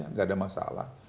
enggak ada masalah